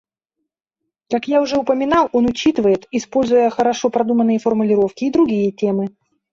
Как я уже упоминал, он учитывает, используя хорошо продуманные формулировки, и другие темы.